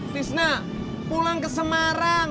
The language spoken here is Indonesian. tisna pulang ke semarang